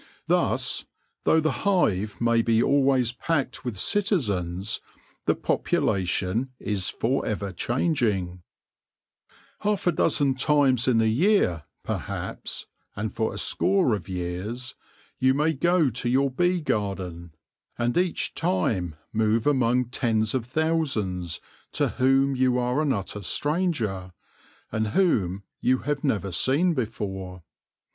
Thus, though the hive may be always packed with citizens, the population is for ever changing, Half a dozen times AFTER THE FEAST 177 in the year, perhaps, and for a score of years, you may go to your bee garden, and each time move among tens of thousands to whom you are an utter stranger, and whom you have never seen before.